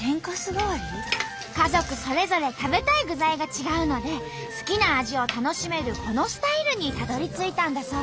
家族それぞれ食べたい具材が違うので好きな味を楽しめるこのスタイルにたどりついたんだそう。